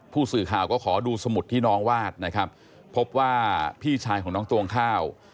ผู้สื่อข่าวก็ขอดูสมุดที่น้องวาดนะครับพบว่าพี่ชายของน้องตวงข้าว